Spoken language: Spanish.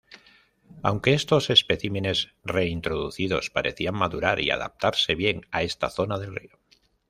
Aunque estos especímenes reintroducidos parecían madurar y adaptarse bien a esta zona del río.